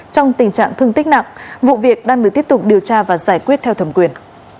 trong tình trạng thương tích nặng vụ việc đang được tiếp tục điều tra và giải quyết theo thẩm quyền